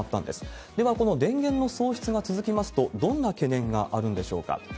では、この電源の喪失が続きますと、どんな懸念があるんでしょうか。